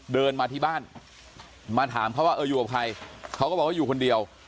เดินมาที่บ้านมาถามเขาว่าเอออยู่กับใครเขาก็บอกว่าอยู่คนเดียว